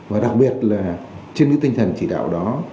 và đặc biệt là trên cái tinh thần chỉ đạo đó